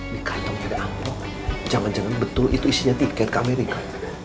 di kantong pada angkok jangan jangan betul itu isinya tiket ke amerika